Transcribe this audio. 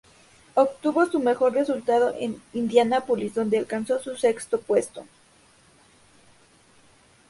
Obtuvo su mejor resultado en Indianápolis, donde alcanzó un sexto puesto.